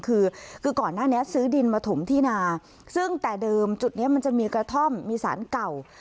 คือคือก่อนหน้านี้ซื้อดินมาถมที่นาซึ่งแต่เดิมจุดนี้มันจะมีกระท่อมมีสารเก่า